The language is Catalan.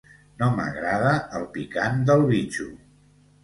No m'agrada el picant del bitxo.